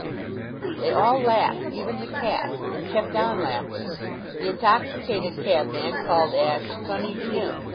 They all laughed even the cat and kept on laughing. The intoxicated cabman called Ashe "Sunny Jim."